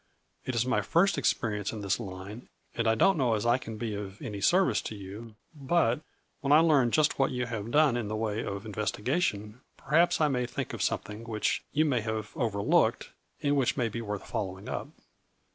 It is my first experience in this line, and I don't know as I can be of any service to you, but, when I learn just what you have done in the way of investigation, perhaps I may think of something which you may have overlooked, and which may be worth following up."